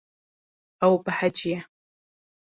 Ew behecî ye.